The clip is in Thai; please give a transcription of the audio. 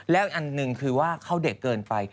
แล้วอันหนึ่งคือว่าเขาเด็กเกินไป